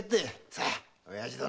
さあ親父殿。